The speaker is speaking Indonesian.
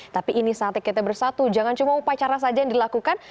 tapi ini saatnya kita bersatu jangan cuma upacara saja yang dilakukan